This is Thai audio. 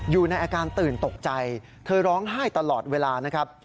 อยู่ในอาการตื่นตกใจเธอร้องไห้ตลอดเวลานะครับ